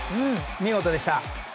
見事でした。